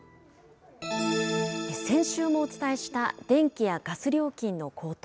先週もお伝えした、電気やガス料金の高騰。